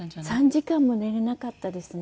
３時間も寝れなかったですね。